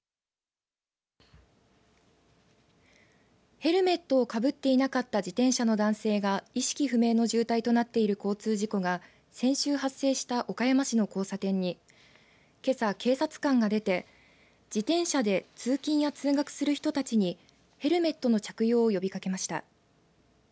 ヘルメットをかぶっていなかった自転車の男性が意識不明の重体となっている交通事故が先週発生した岡山市の交差点にけさ、警察官が出て自転車で通勤や通学する人たちにヘルメットの着用を呼びかけました。